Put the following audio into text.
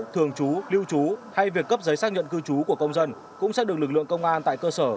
thường trú lưu trú hay việc cấp giấy xác nhận cư trú của công dân cũng sẽ được lực lượng công an tại cơ sở